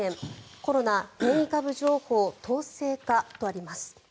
コロナ変異株情報統制かとあります。